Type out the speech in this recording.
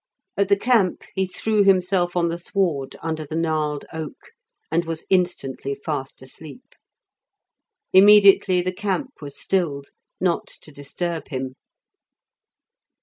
At the camp he threw himself on the sward, under the gnarled oak, and was instantly fast asleep. Immediately the camp was stilled, not to disturb him.